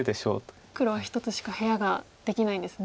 黒は１つしか部屋ができないんですね。